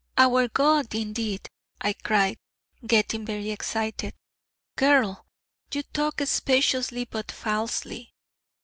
'Our God indeed!' I cried, getting very excited: 'girl! you talk speciously, but falsely!